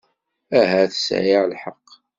Ahat sɛiɣ lḥeqq.